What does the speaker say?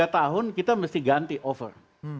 tiga tahun kita mesti ganti over